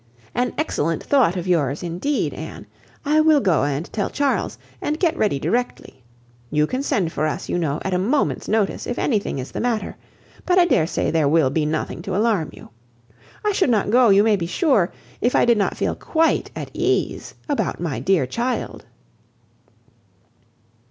An excellent thought of yours, indeed, Anne. I will go and tell Charles, and get ready directly. You can send for us, you know, at a moment's notice, if anything is the matter; but I dare say there will be nothing to alarm you. I should not go, you may be sure, if I did not feel quite at ease about my dear child."